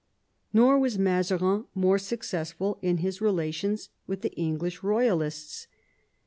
Nor was Mazarin more successful in his relations with the English Eoyalists.